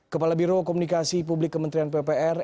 kepala biro komunikasi publik kementerian ppr